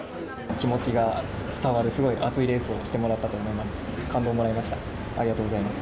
気持ちが伝わるすごい熱いレースをしてもらったと思います。